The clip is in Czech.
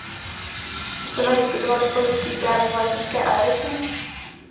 Chceme diskutovat o lidských právech v Latinské Americe?